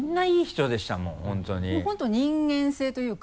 本当に人間性というか。